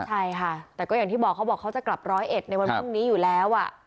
ใช่ค่ะแต่ก็อย่างที่บอกเขาบอกเขาจะกลับร้อยเอ็ดในวันพรุ่งนี้อยู่แล้ว